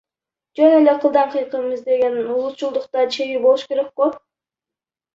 Жөн эле кылдан кыйкым издеген улутчулдуктун да чеги болуш керек ко.